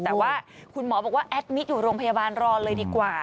แต่ว่าคุณหมอบอกว่าแอดมิตรอยู่โรงพยาบาลรอเลยดีกว่า